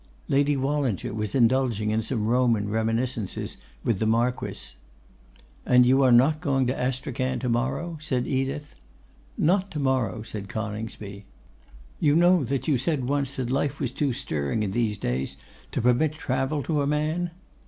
Lady Wallinger was indulging in some Roman reminiscences with the Marquess. 'And you are not going to Astrachan to morrow?' said Edith. 'Not to morrow,' said Coningsby. 'You know that you said once that life was too stirring in these days to permit travel to a man?